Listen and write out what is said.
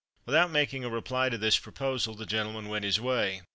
Without making a reply to this proposal, the gentleman went his way.